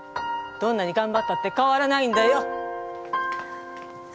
どんなにがんばったって変わらないんだよ！